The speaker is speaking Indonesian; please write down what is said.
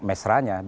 mesra dengan jokowi